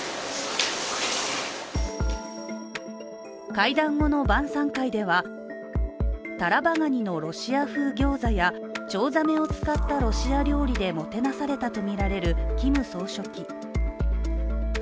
会談後の晩さん会では、タラバガニのロシア風ギョーザやチョウザメを使ったロシア料理でもてなされたとみられるキム総書記。